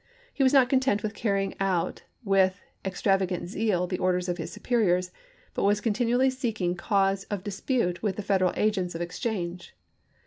He was not content with carrying out with extrava gant zeal the orders of his superiors, but was continu ally seeking cause of dispute with the Federal agents of exchange.